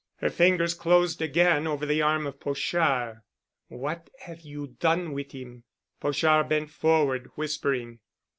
Her fingers closed again over the arm of Pochard. "What have you done with him?" Pochard bent forward, whispering.